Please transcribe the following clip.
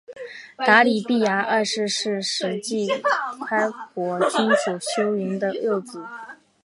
答里必牙二世是是实皆开国君主修云的幼子。